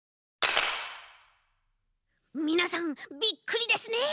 みなさんびっくりですね？